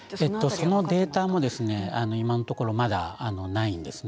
そのデータも今のところ、まだないですね。